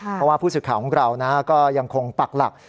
เพราะว่าผู้สื่อข่าวของเราก็ยังคงปักหลัก